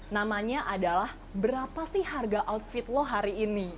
namanya adalah berapa sih harga outfit low hari ini